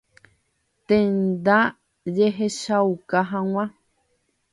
Tenda jehechauka hag̃ua.